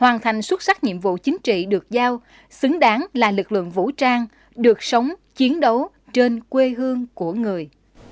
hoàn thành xuất sắc nhiệm vụ chính trị được giao xứng đáng là lực lượng vũ trang được sống chiến đấu trên quê hương của người